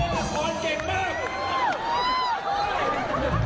ดังที่สุดมันจับคู่กัน